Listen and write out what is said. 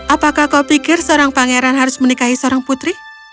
apakah kau pikir seorang pangeran harus menikahi seorang putri